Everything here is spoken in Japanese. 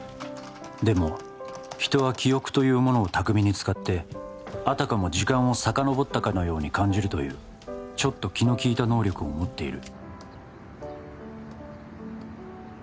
「でも人は記憶というものを巧みに使ってあたかも時間を遡ったかのように感じるというちょっと気の利いた能力を持っている」